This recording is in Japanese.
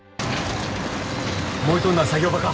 燃えとんのは作業場か。